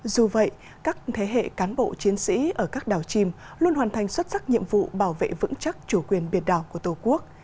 dù vậy các thế hệ cán bộ chiến sĩ ở các đảo chìm luôn hoàn thành xuất sắc nhiệm vụ bảo vệ vững chắc chủ quyền biển đảo của tổ quốc